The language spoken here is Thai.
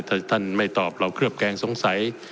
ถ้าท่านไม่ตอบเราเคลือบแคลงสงสัย